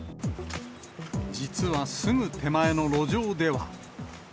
実はすぐ手前の路上では。